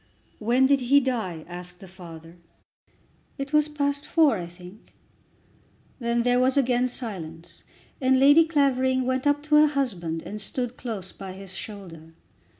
"When did he die?" asked the father. "It was past four I think." Then there was again silence, and Lady Clavering went up to her husband and stood close by his shoulder.